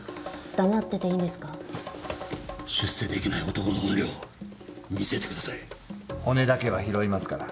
黙ってていいんで出世できない男の本領見せて骨だけは拾いますから。